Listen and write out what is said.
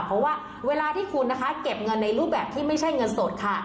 เพราะว่าเวลาที่คุณนะคะเก็บเงินในรูปแบบที่ไม่ใช่เงินสดค่ะ